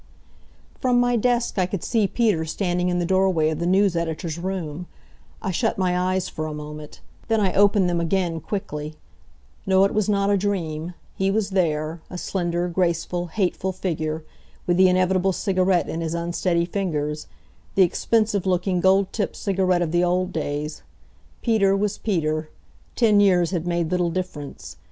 From my desk I could see Peter standing in the doorway of the news editor's room. I shut my eyes for a moment. Then I opened them again, quickly. No, it was not a dream. He was there, a slender, graceful, hateful figure, with the inevitable cigarette in his unsteady fingers the expensive looking, gold tipped cigarette of the old days. Peter was Peter. Ten years had made little difference.